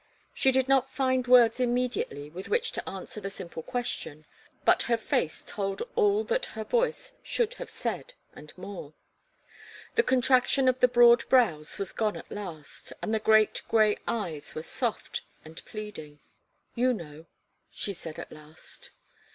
She did not find words immediately with which to answer the simple question, but her face told all that her voice should have said, and more. The contraction of the broad brows was gone at last, and the great grey eyes were soft and pleading. "You know," she said, at last.